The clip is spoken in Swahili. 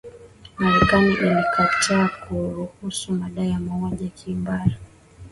marekani ilikataa kuruhusu madai ya mauaji ya kimbari